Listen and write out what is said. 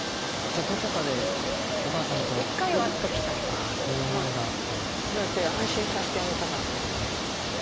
ああそういう思いがあって。